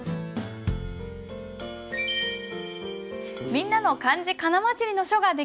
みんなの漢字仮名交じりの書が出来ました。